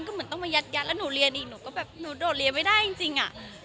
ก็เหมือนต้องมายัดแล้วหนูเรียนอีกหนูก็แบบหนูโดดเรียนไม่ได้จริงอ่ะ